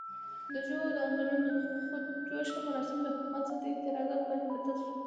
د ژو د انځورونو خود جوشه مراسم د حکومت ضد اعتراضاتو باندې بدل شول.